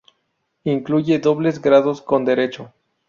Incluye dobles grados con Derecho.